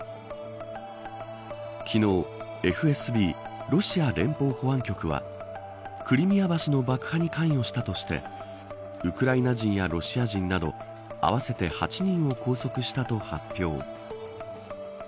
昨日、ＦＳＢロシア連邦保安局はクリミア橋の爆破に関与したとしてウクライナ人やロシア人など合わせて８人を拘束したと発表。